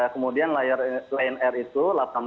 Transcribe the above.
kemudian lion air itu